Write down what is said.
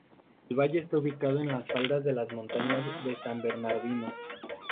El valle está ubicado en las faldas de las montañas de San Bernardino.